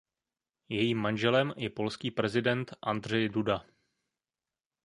Jejím manželem je polský prezident Andrzej Duda.